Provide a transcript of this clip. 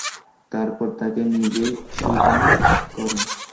তারপর তাকে নিজেই সুঠাম করেন।